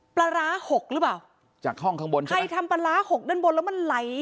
ปลาร้าหกหรือเปล่าจากห้องข้างบนค่ะใครทำปลาร้าหกด้านบนแล้วมันไหล